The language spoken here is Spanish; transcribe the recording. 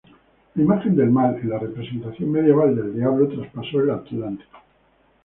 La imagen del mal en la representación medieval del diablo traspasó el Atlántico.